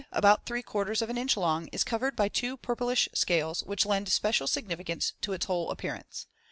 74, about three quarters of an inch long, is covered by two purplish scales which lend special significance to its whole appearance.